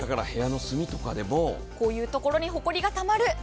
部屋の隅とかでもこういうところにごみがたまる。